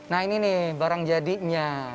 nah ini nih barang jadinya